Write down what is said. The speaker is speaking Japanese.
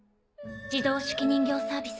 自動手記人形サービス。